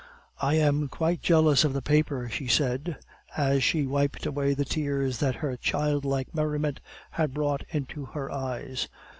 "I am quite jealous of the paper," she said, as she wiped away the tears that her childlike merriment had brought into her eyes.